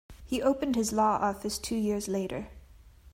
He opened his law office two years later.